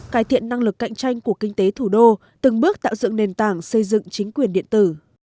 cải thiện năng lực cạnh tranh của kinh tế thủ đô từng bước tạo dựng nền tảng xây dựng chính quyền điện tử